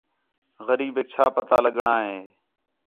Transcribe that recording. غریبیک چَھا پتا لڳݨاں ہِے